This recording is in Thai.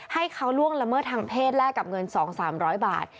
ให้เขาล่วงละเมิดทางเพศแลกกับเงิน๒๓๐๐บาท